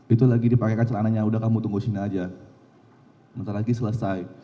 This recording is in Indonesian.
itu lagi dipakai celananya udah kamu tunggu sini aja bentar lagi selesai